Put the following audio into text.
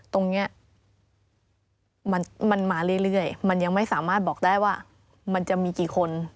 ตรงนี้มันมาเรื่อยมันยังไม่สามารถบอกได้ว่ามันจะมีกี่คน